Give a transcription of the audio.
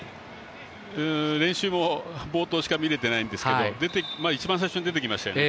練習も冒頭しか見れていないんですけど一番最初に出てきましたよね